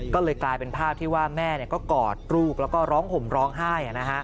ก็เลยกลายเป็นภาพที่ว่าแม่ก็กอดลูกแล้วก็ร้องห่มร้องไห้